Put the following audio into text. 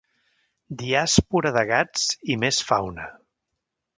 "diàspora" de gats i més fauna.